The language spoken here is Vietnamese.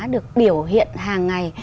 được biểu hiện hàng ngày